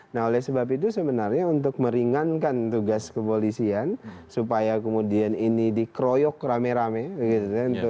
nah oleh sebab itu sebenarnya untuk meringankan tugas kepolisian supaya kemudian ini dikeroyok rame rame gitu